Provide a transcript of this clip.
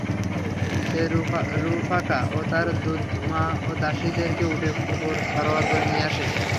সে রুফাকা ও তার দুধ-মা ও দাসীদেরকে উটের উপর সওয়ার করে নিয়ে আসে।